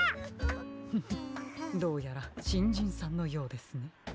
フフッどうやらしんじんさんのようですね。